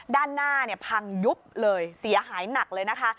ด้านหน้าเนี่ยพังยุบเลยเสียหายหนักเลยนะคะ